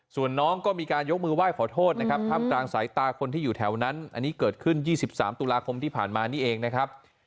ส่วนน้องก็มีการยกมือไหว้ขอโทษนะครับท่ามกลางสายตาคนที่อยู่แถวนั้นอันนี้เกิดขึ้น๒๓ตุลาคมที่ผ่านมานี่เองนะครับ